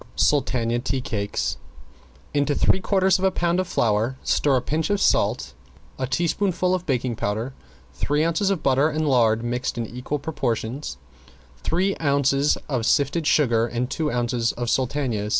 ~SULTANA TEA CAKES~ Into three quarters of a pound of flour stir a pinch of salt, a teaspoonful of baking powder, three ounces of butter and lard mixed in equal portions, three ounces of sifted sugar and two ounces of sultanas.